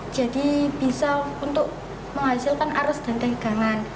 jadi bisa untuk menghasilkan arus dan tegangan